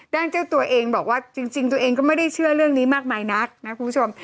เจ้าตัวเองบอกว่าจริงตัวเองก็ไม่ได้เชื่อเรื่องนี้มากมายนักนะคุณผู้ชม